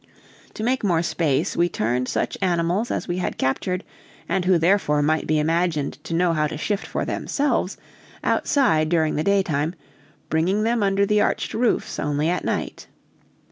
To make more space, we turned such animals as we had captured, and who therefore might be imagined to know how to shift for themselves, outside during the daytime, bringing them under the arched roofs only at night.